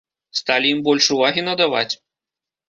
Сталі ім больш увагі надаваць?